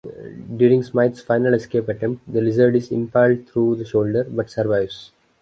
During Smythe's final escape attempt, the Lizard is impaled through the shoulder, but survives.